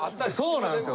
そうなんですよ。